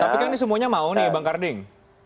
tapi kan ini semuanya mau nih bang karding